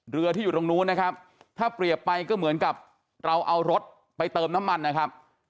เรือที่อยู่ตรงนู้นนะครับถ้าเปรียบไปก็เหมือนกับเราเอารถไปเติมน้ำมันนะครับ